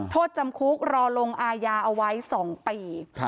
โทษจำคุกรอลงอาญาเอาไว้๒ปี